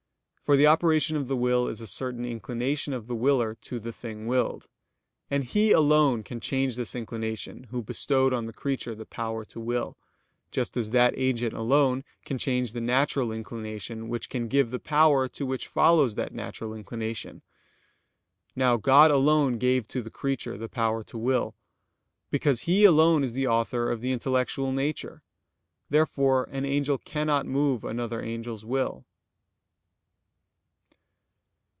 For the operation of the will is a certain inclination of the willer to the thing willed. And He alone can change this inclination, Who bestowed on the creature the power to will: just as that agent alone can change the natural inclination, which can give the power to which follows that natural inclination. Now God alone gave to the creature the power to will, because He alone is the author of the intellectual nature. Therefore an angel cannot move another angel's will.